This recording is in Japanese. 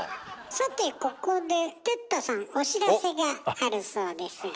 さてここで哲太さんお知らせがあるそうですが。